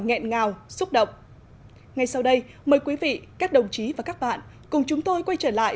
nghẹn ngào xúc động ngay sau đây mời quý vị các đồng chí và các bạn cùng chúng tôi quay trở lại